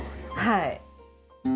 はい。